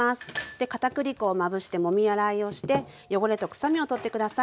で片栗粉をまぶしてもみ洗いをして汚れと臭みを取って下さい。